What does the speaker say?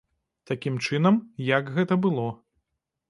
Такім чынам, як гэта было.